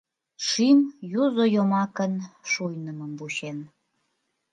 Шӱм юзо йомакын шуйнымым вучен.